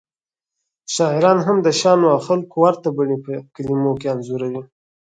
شاعران هم د شیانو او خلکو ورته بڼې په کلمو کې انځوروي